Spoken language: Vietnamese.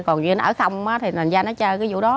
còn vì nó ở không thì thành ra nó chơi cái vụ đó